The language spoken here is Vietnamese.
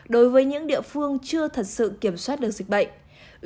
đối với những địa phương chưa thật sự kiểm soát được dịch bệnh